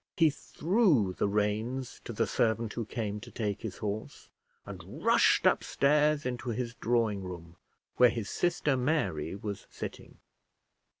He threw the reins to the servant who came to take his horse, and rushed upstairs into his drawing room, where his sister Mary was sitting.